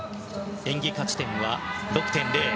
演技価値点は６．０。